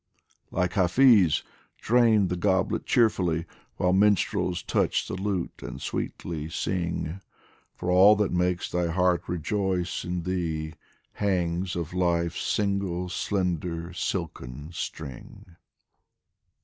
Like Hafiz, drain the goblet cheerfully While minstrels touch the lute and sweetly sing, For all that makes thy heart rejoice in thee Hangs of Life's single, slender, silken string.